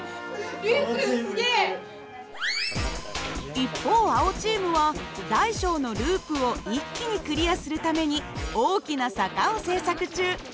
一方青チームは大小のループを一気にクリアするために大きな坂を製作中。